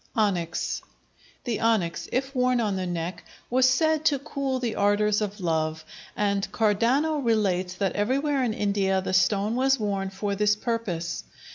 Onyx The onyx, if worn on the neck, was said to cool the ardors of love, and Cardano relates that everywhere in India the stone was worn for this purpose.